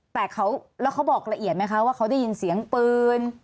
แต่แล้วเขาบอกละเอียดไหมคะว่าเขาได้ยินเสียงปืน